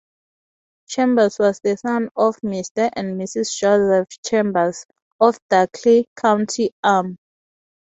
Chambers was the son of Mr. and Mrs. Joseph Chambers, of Darkley, County Armagh.